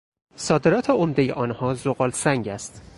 صادرات عمدهی آنها زغالسنگ است.